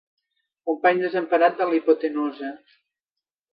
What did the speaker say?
Company desemparat de la hipotenusa.